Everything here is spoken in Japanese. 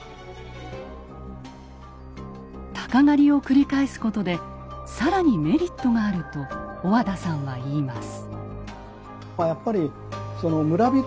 鷹狩を繰り返すことで更にメリットがあると小和田さんは言います。